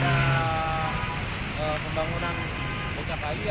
jumat hari kan ada pembangunan buka kayu ya